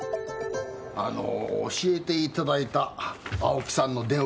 あの教えていただいた青木さんの電話。